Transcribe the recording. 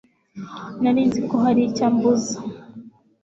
Nari nzi ko hari icyo ambuza.